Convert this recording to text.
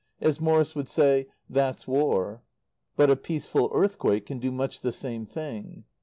As Morrie would say: "That's War." But a peaceful earthquake can do much the same thing.